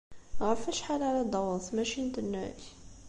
Ɣef wacḥal ara d-taweḍ tmacint-nnek?